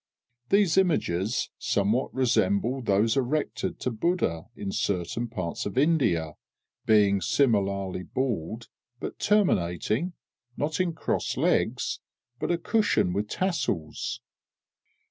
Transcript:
These images somewhat resemble those erected to Buddha in certain parts of India, being similarly bald, but terminating not in crossed legs, but a cushion with tassels.